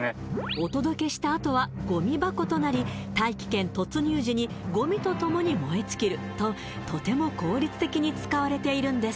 お届けしたあとはゴミ箱となり大気圏突入時にゴミとともに燃え尽きるととても効率的に使われているんです